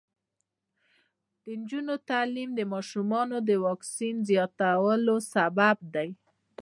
د نجونو تعلیم د ماشومانو واکسین زیاتولو سبب دی.